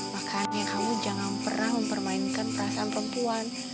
makanya kamu jangan pernah mempermainkan perasaan perempuan